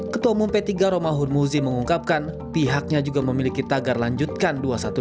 ketua umum p tiga romahur muzi mengungkapkan pihaknya juga memiliki tagar lanjutkan dua ratus dua belas